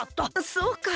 そうか！